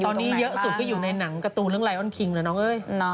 ตอนนี้เยอะสุดก็อยู่ในหนังการ์ตูนเรื่องไลออนคิงแล้วน้องเอ้ย